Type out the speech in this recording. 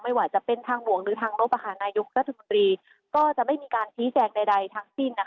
ว่าจะเป็นทางหลวงหรือทางลบนายกรัฐมนตรีก็จะไม่มีการชี้แจงใดทั้งสิ้น